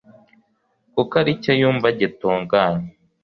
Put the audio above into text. kuko ari cyo yumva gitunganye.